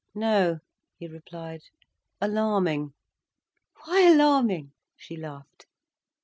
"No," he replied, "alarming." "Why alarming?" she laughed.